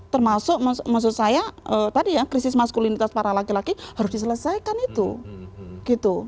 termasuk maksud saya tadi ya krisis maskulinitas para laki laki harus diselesaikan itu gitu